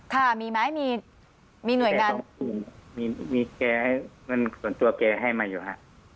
ค่ะมีไหมมีหน่วยงานอื่นมีแกให้เงินส่วนตัวแกให้มาอยู่ฮะ